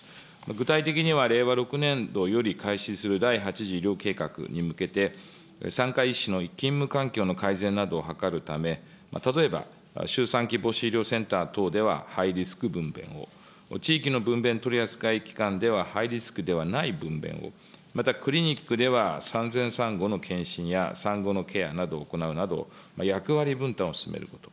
具体的には令和６年度より開始する第８次医療計画に向けて、産科医師の勤務環境の改善などを図るため、例えば周産期母子医療センター等ではハイリスク分べんを、地域の分べん取り扱い機関では、ハイリスクではない分べんを、またクリニックでは、産前・産後の健診や産後のケアなどを行うなど、役割分担を進めること。